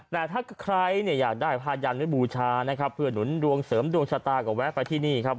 แต่ถ้าใครเนี่ยอยากได้ผ้ายันไว้บูชานะครับเพื่อหนุนดวงเสริมดวงชะตาก็แวะไปที่นี่ครับ